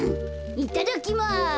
いただきます。